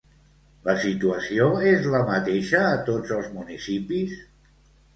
La situació és la mateixa a tots els municipis?